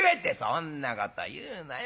「そんなこと言うなよ。